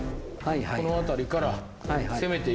この辺りから攻めていきますわ。